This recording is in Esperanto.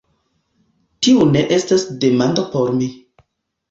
Tiu ne estas demando por mi.